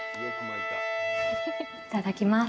いただきます。